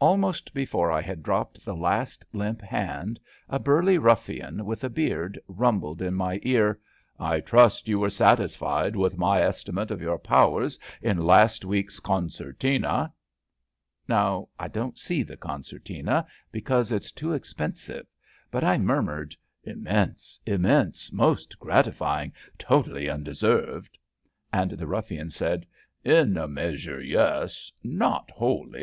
Almost before I had dropped the last limp hand, a burly ruffian, with a beard, rumbled in my ear :I trust you were satisfied with my estimate of your powers in last week's Concertina f '' Now I don't see the Concertina because it's too expensive, but I murmured :Immense ! immense I Most gratifying. Totally undeserved. '' And the ruffian said: '* In a measure, yes. Not wholly.